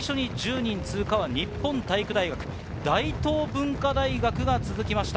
最初に１０人通過は日本体育大学、そして大東文化大学が続きました。